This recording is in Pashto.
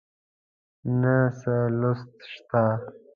نه څه لوست شته